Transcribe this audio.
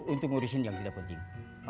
untuk ngurusin yang tidak penting